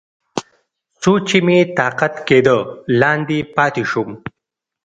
څو چې مې طاقت کېده، لاندې پاتې شوم.